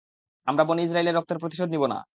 আমরা বনী ইসরাঈলের রক্তের প্রতিশোধ নিব না।